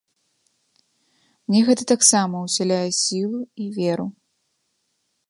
Мне гэта таксама ўсяляе сілу і веру.